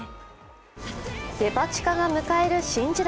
デパ地下が迎える新時代。